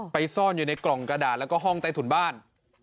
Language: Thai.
ซ่อนอยู่ในกล่องกระดาษแล้วก็ห้องใต้ถุนบ้าน